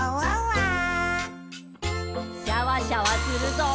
シャワシャワするぞ。